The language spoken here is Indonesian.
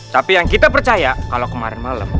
tapi yang kita percaya kalo kemarin malem